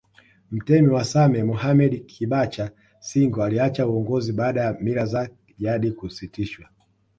Mtemi wa Same Mohammedi Kibacha Singo aliacha uongozi baada ya mila za jadi kusitishwa